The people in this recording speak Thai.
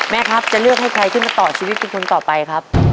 ครับจะเลือกให้ใครขึ้นมาต่อชีวิตเป็นคนต่อไปครับ